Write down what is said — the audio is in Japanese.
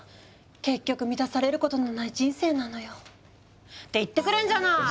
結局満たされることのない人生なのよ。って言ってくれんじゃない！